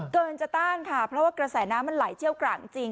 เกินจะต้านค่ะเพราะว่ากระแสน้ำมันไหลเชี่ยวกรากจริง